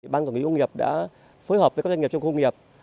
ban quản lý công nghiệp đã phối hợp với các doanh nghiệp trong khu công nghiệp